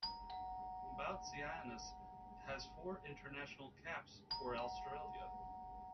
Boutsianis has four international caps for Australia.